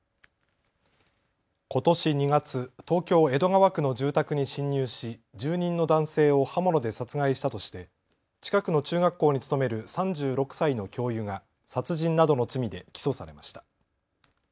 ことし２月、東京江戸川区の住宅に侵入し住人の男性を刃物で殺害したとして近くの中学校に勤める３６歳の教諭が殺人などの罪で起訴されました。